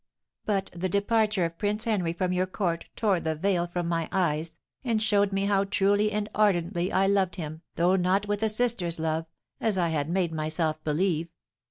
But the departure of Prince Henry from your court tore the veil from my eyes, and showed me how truly and ardently I loved him, though not with a sister's love, as I had made myself believe.